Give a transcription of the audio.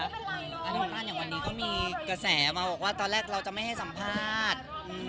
ทางด้านอย่างวันนี้ก็มีกระแสมาบอกว่าตอนแรกเราจะไม่ให้สัมภาษณ์